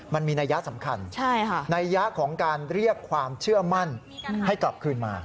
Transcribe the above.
มันมีนัยยะสำคัญนัยยะของการเรียกความเชื่อมั่นให้กลับคืนมา